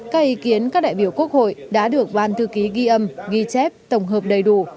các ý kiến các đại biểu quốc hội đã được ban thư ký ghi âm ghi chép tổng hợp đầy đủ